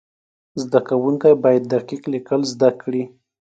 زده کوونکي باید دقیق لیکل زده کړي.